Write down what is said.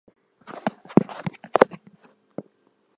His relics are still preserved in Saint Canute's Cathedral.